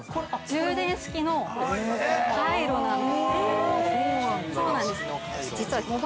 ◆充電式のカイロなんです。